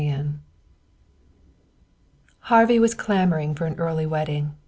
XXVI Harvey was clamoring for an early wedding.